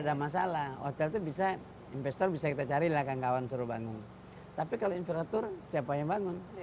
ada masalah waktu itu bisa investor bisa kita cari lakan kawan suruh bengong tapi kalau haiar siswa